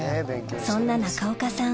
そんな中岡さん